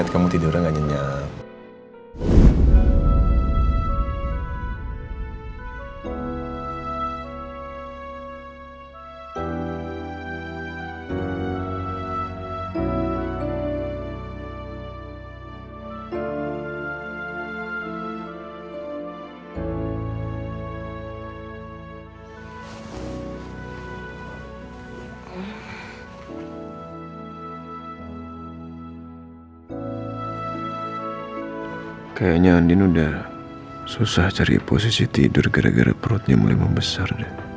kayaknya andin udah susah cari posisi tidur gara gara perutnya mulai membesar